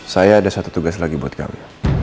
saya ada satu tugas lagi buat kami